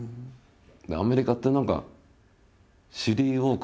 アメリカって何か「シリーウォーク」